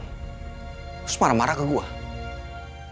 kemudian dia marah marah dengan saya